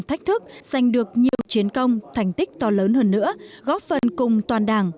thách thức giành được nhiều chiến công thành tích to lớn hơn nữa góp phần cùng toàn đảng